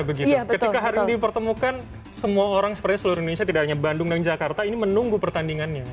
ketika hari ini dipertemukan semua orang sepertinya seluruh indonesia tidak hanya bandung dan jakarta ini menunggu pertandingannya